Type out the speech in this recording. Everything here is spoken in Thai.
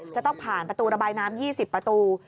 จะต้องผ่านประตูระบายน้ำ๒๐ประตู